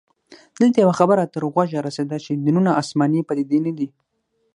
دلته يوه خبره تر غوږه رسیده چې دینونه اسماني پديدې نه دي